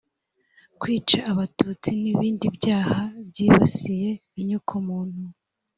kwica abatutsi n’ ibindi byaha byibasiye inyokomuntu